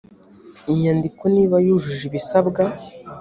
inyandiko niba yujuje ibisabwa